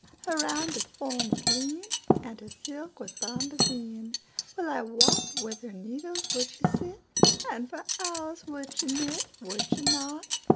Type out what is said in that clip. Her rounded form was lean, And her silk was bombazine:Well I wotWith her needles would she sit, And for hours would she knit,—Would she not?